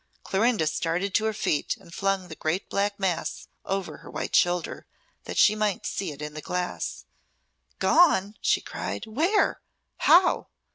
Clorinda started to her feet, and flung the great black mass over her white shoulder, that she might see it in the glass. "Gone!" she cried. "Where? How?